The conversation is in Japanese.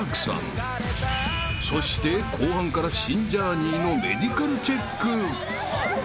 ［そして後半から新ジャーニーのメディカルチェック］